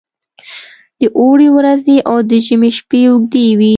د اوړي ورځې او د ژمي شپې اوږې وي.